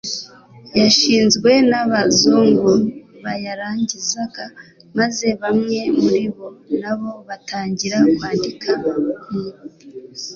yashinzwe n'abazungu bayarangizaga, maze bamwe muri bo na bo batangira kwandika. mu